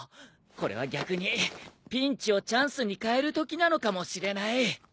これは逆にピンチをチャンスに変えるときなのかもしれない！